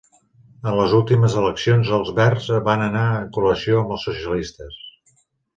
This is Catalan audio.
En les últimes eleccions els verds van anar en coalició amb els socialistes.